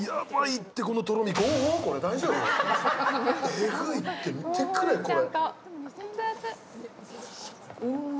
エグいって、見てくれ、これ。